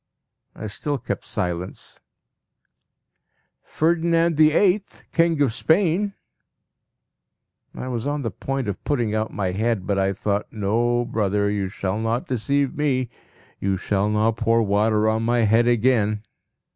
I still kept silence. "Ferdinand the Eighth, King of Spain!" I was on the point of putting out my head, but I thought, "No, brother, you shall not deceive me! You shall not pour water on my head again!"